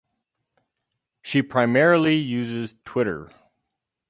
She primarily uses Twitter.